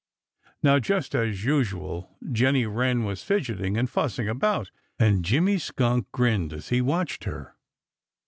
Now just as usual Jenny Wren was fidgeting and fussing about, and Jimmy Skunk grinned as he watched her.